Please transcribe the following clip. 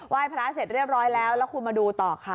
พระเสร็จเรียบร้อยแล้วแล้วคุณมาดูต่อค่ะ